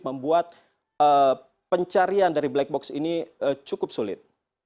membuat pencarian dari black box ini cukup sulit